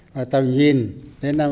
và tầm nhìn đến năm hai nghìn bốn mươi năm